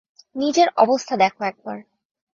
নিজের অবস্থা দেখো একবার।